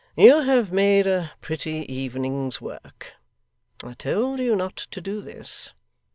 'You have made a pretty evening's work. I told you not to do this.